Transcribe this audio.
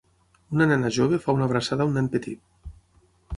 una nena jove fa una abraçada a un nen petit.